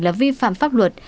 là vi phạm pháp luật